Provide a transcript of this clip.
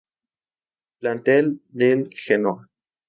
Plantel del Genoa